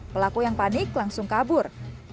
pelaku yang panik langsung kabur